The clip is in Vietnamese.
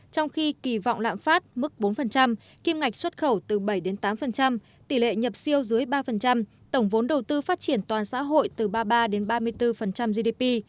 trong khi kỳ vọng lạm phát mức bốn kim ngạch xuất khẩu từ bảy tám tỷ lệ nhập siêu dưới ba tổng vốn đầu tư phát triển toàn xã hội từ ba mươi ba ba mươi bốn gdp